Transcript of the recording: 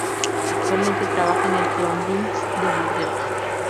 Actualmente trabaja en el Girondins de Burdeos.